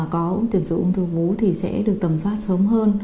có tiền số ung thư vú thì sẽ được tầm soát sớm hơn